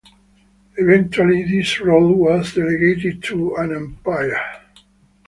Eventually this role was delegated to an "umpire".